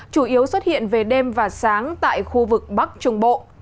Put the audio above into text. chủ yếu xuất hiện về đêm và sáng tại khu vực bắc trung bộ